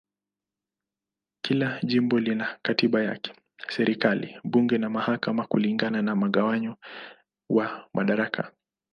Kila jimbo lina katiba yake, serikali, bunge na mahakama kulingana na mgawanyo wa madaraka.